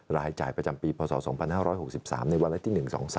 รายจ่ายประจำปีพศ๒๕๖๓ในวันละที่๑๒๓